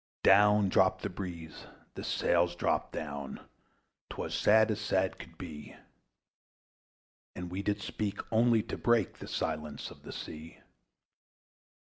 Down dropt the breeze, the sails dropt down, 'Twas sad as sad could be; And we did speak only to break The silence of the sea!